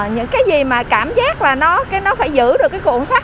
những cái gì mà cảm giác là nó phải giữ được cái cuộn sắt